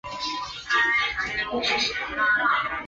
她最近代表卡拉沃沃州竞选委内瑞拉小姐。